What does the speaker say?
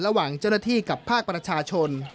ระหว่างเจ้าหน้าที่กับภาคประชาชน